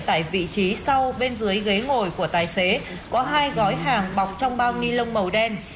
tại vị trí sau bên dưới ghế ngồi của tài xế có hai gói hàng bọc trong bao ni lông màu đen